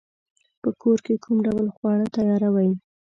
په کور کی کوم ډول خواړه تیاروئ؟